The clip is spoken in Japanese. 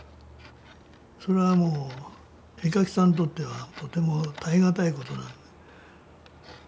それはもう絵描きさんにとってはとても耐え難いことなんで。